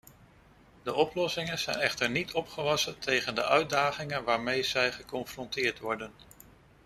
De oplossingen zijn echter niet opgewassen tegen de uitdaging waarmee zij geconfronteerd worden.